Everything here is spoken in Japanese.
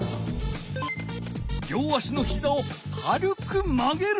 両足のひざを軽く曲げる。